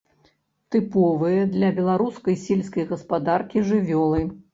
Тыповыя для беларускай сельскай гаспадаркі жывёлы.